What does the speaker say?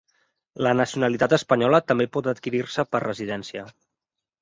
La nacionalitat espanyola també pot adquirir-se per residència.